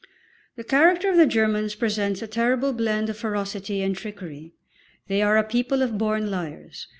"The character of the Germans presents a terrible blend of ferocity and trickery. They are a people of born liars.